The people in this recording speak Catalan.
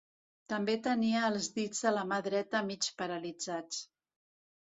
També tenia els dits de la mà dreta mig paralitzats